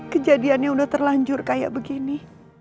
kejadiannya udah terlanjur kayak begini